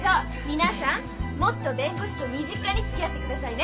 皆さんもっと弁護士と身近につきあってくださいね。